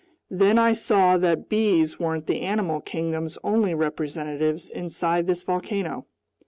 Then I saw that bees weren't the animal kingdom's only representatives inside this volcano.